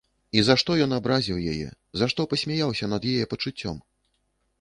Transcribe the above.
І за што ён абразіў яе, за што пасмяяўся над яе пачуццём?